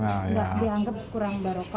gak dianggap kurang baroka